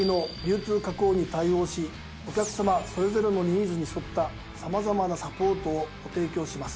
お客様それぞれのニーズに沿ったさまざまなサポートをご提供します。